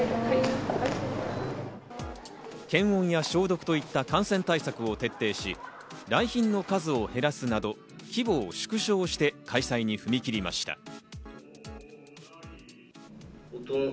検温や消毒といった感染対策を徹底し、来賓の数を減らすなど規模を縮小して開催に踏み切りました。